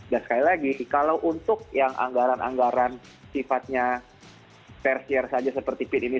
dan sekali lagi kalau untuk yang anggaran anggaran sifatnya per year saja seperti pin ini